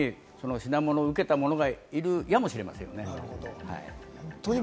逃げている途中に品物を受けた者がいるやもしれませんね。